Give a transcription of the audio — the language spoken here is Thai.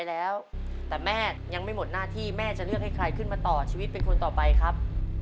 แล้วจะเลือกให้ใครขึ้นมาต่อชีวิตเป็นคนต่อไปครับ